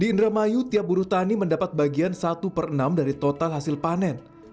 di indramayu tiap buruh tani mendapat bagian satu per enam dari total hasil panen